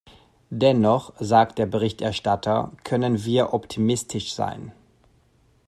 Dennoch, sagt der Berichterstatter, können wir optimistisch sein.